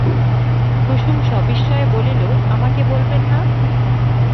কুসুম সবিস্ময়ে বলিল, আমাকে বলবেন না?